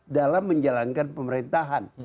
dalam menjalankan pemerintahan